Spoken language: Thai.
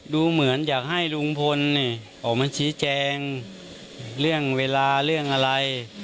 ดูเหมือนอยากให้ลุงพลออกมาชี้แจงเรื่องเวลาเรื่องอะไร